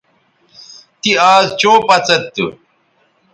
تی آز چوں پڅید تھو